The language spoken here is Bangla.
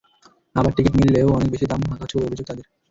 আবার টিকিট মিললেও অনেক বেশি দাম হাঁকা হচ্ছে বলে অভিযোগ তাঁদের।